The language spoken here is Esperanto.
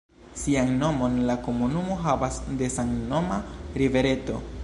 Sian nomon la komunumo havas de samnoma rivereto.